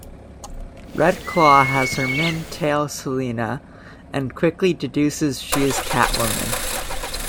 Red Claw has her men tail Selina and quickly deduces she is Catwoman.